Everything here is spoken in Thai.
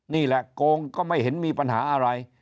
นี่แหละโกงก็ไม่เห็นมีปัญหาอะไร